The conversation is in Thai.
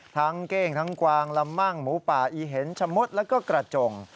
เก้งทั้งกวางละมั่งหมูป่าอีเห็นชะมดแล้วก็กระจง